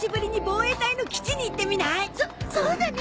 そそうだね。